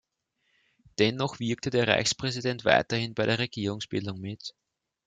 Dennoch wirkte der Reichspräsident weiterhin bei der Regierungsbildung mit.